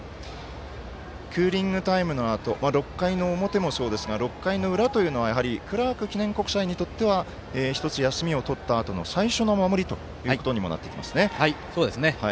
クーリングタイムのあと６回の表もそうですが６回の裏というのはクラーク記念国際にとっては１つ休みをとったあとの最初の守りということにもなってきますね。